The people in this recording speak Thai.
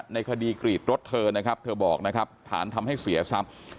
ในคดีกรีดรถเธอนะครับเธอบอกนะครับฐานทำให้เสียทรัพย์